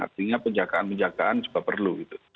artinya penjagaan penjagaan juga perlu gitu